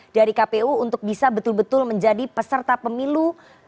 dari kpu untuk bisa betul betul menjadi peserta pemilu dua ribu dua puluh empat